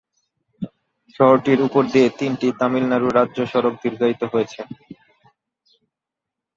শহরটির উপর দিয়ে তিনটি তামিলনাড়ু রাজ্য সড়ক দীর্ঘায়িত হয়েছে।